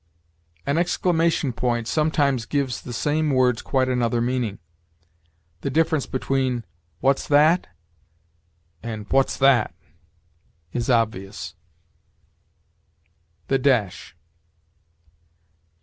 An exclamation point sometimes gives the same words quite another meaning. The difference between "What's that?" and "What's that!" is obvious. THE DASH.